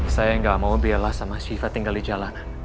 saya enggak mau bella sama shiva tinggal di jalanan